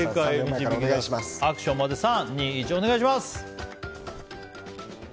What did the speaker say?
アクションまで３、２、１お願いします！